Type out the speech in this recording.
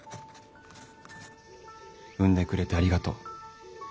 生んでくれてありがとう。